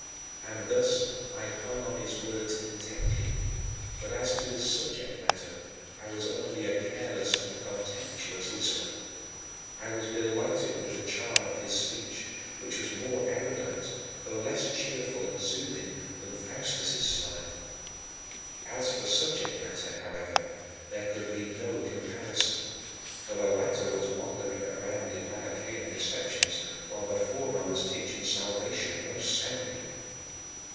And thus I hung on his words intently, but, as to his subject matter, I was only a careless and contemptuous listener. I was delighted with the charm of his speech, which was more erudite, though less cheerful and soothing, than Faustus' style. As for subject matter, however, there could be no comparison, for the latter was wandering around in Manichean deceptions, while the former was teaching salvation most soundly.